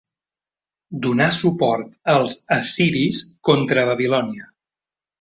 Donà suport als assiris contra Babilònia.